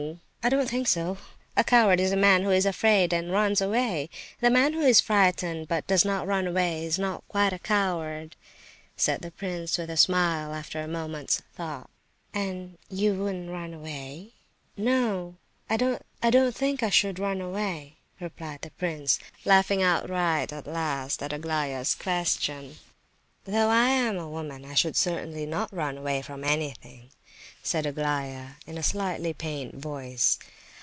—I don't think so. A coward is a man who is afraid and runs away; the man who is frightened but does not run away, is not quite a coward," said the prince with a smile, after a moment's thought. "And you wouldn't run away?" "No—I don't think I should run away," replied the prince, laughing outright at last at Aglaya's questions. "Though I am a woman, I should certainly not run away for anything," said Aglaya, in a slightly pained voice.